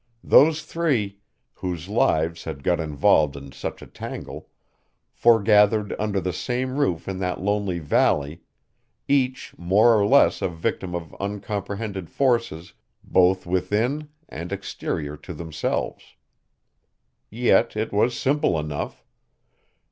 Those three, whose lives had got involved in such a tangle, forgathered under the same roof in that lonely valley, each more or less a victim of uncomprehended forces both within and exterior to themselves. Yet it was simple enough.